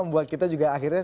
membuat kita juga akhirnya